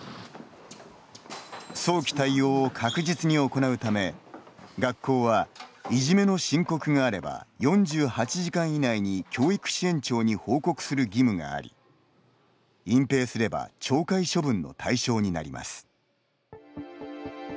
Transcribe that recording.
早期対応を確実に行うため学校は、いじめの申告があれば４８時間以内に教育支援庁に報告する義務があり隠ぺいすれば懲戒処分の対象になります。